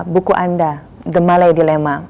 buku anda the malay dilemma